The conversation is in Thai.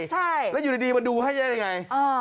ใช่แล้วอยู่ดีมาดูให้ได้ยังไง